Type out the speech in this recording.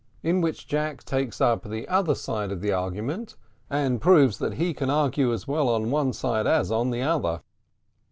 IN WHICH JACK TAKES UP THE OTHER SIDE OF THE ARGUMENT, AND PROVES THAT HE CAN ARGUE AS WELL ON ONE SIDE AS THE OTHER.